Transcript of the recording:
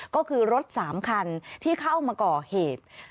ก็คือรถ๓คันที่เข้ามาก่อเหตุ